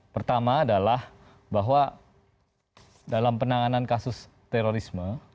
pertama adalah bahwa dalam penanganan kasus terorisme